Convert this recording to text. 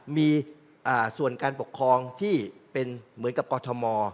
มีส่วนการปกครองที่เป็นเหมือนกับกรทม